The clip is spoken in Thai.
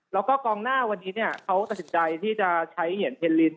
แล้วก็กองหน้าวันนี้เขาตัดสินใจที่จะใช้เหรียญเทนลิน